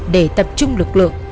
để tập trung lực lượng